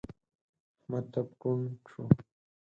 احمد ټپ کوڼ شو.